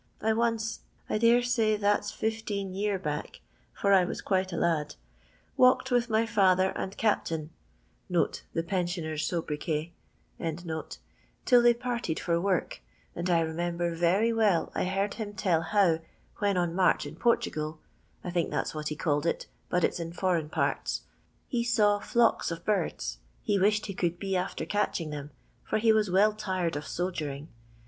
I once — ^yes, sir, I dare say that 's fifteen year back, for I was quite a lad — wmlked with my fiither and cap tain" (the pensioner's sobriquet) "till they parted for work, and I remember very well I heard him tell how, when on march in Portingal — I think that 's what he called it, but it 's in foreign parts — ha saw flocks of birds; he wished he could be after catch ing them, for he was well tired of sogering.